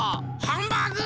ハンバーグ！